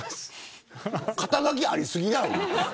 肩書ありすぎやろ。